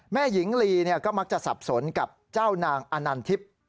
หญิงลีก็มักจะสับสนกับเจ้านางอนันทิพย์